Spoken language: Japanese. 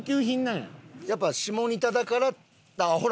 やっぱ下仁田だから。